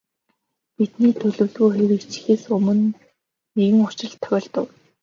Бидний төлөвлөгөө хэрэгжихээс өмнө нэгэн учрал тохиолдов.